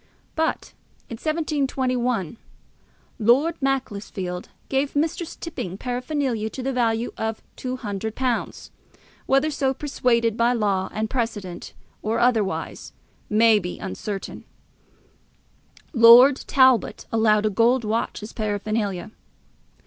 But in 1721 Lord Macclesfield gave Mistress Tipping paraphernalia to the value of £200, whether so persuaded by law and precedent, or otherwise, may be uncertain. Lord Talbot allowed a gold watch as paraphernalia.